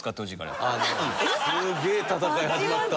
すげえ戦い始まった。